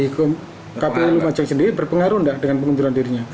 kpu lumajang sendiri berpengaruh enggak dengan pengunduran dirinya